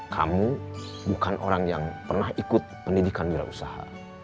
kamu bukan orang yang pernah ikut pendidikan wira usaha